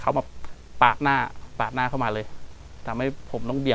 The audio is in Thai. กลับมาที่สุดท้ายและกลับมาที่สุดท้าย